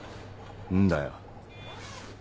何だよ。